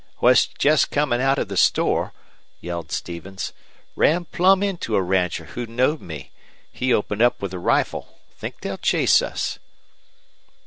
"Was jest comin' out of the store," yelled Stevens. "Run plumb into a rancher who knowed me. He opened up with a rifle. Think they'll chase us."